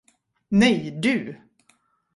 Nej, du!